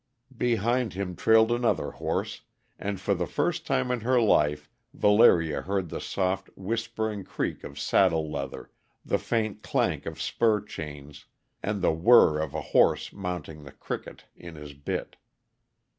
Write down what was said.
Behind him trailed another horse, and for the first time in her life Valeria heard the soft, whispering creak of saddle leather, the faint clank of spur chains, and the whir of a horse mouthing the "cricket" in his bit.